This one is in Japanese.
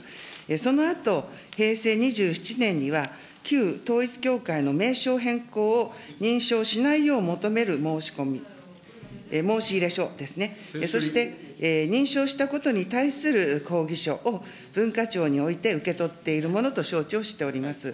そのあと平成２７年には、旧統一教会の名称変更を認証しないよう求める申し込み、申し入れ書ですね、そして、認証したことに対する抗議書を文化庁において受け取っているものと承知をしております。